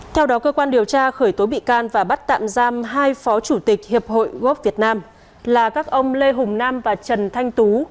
theo đó cơ quan điều tra khởi tố bị can và bắt tạm giam hai phó chủ tịch hiệp hội gốc việt nam là các ông lê hùng nam và trần thanh tú